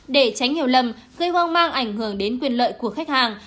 để tránh hiểu lầm gây hoang mang ảnh hưởng đến quyền lợi của khách hàng